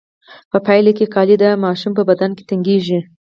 په پایله کې جامې د ماشوم په بدن تنګیږي.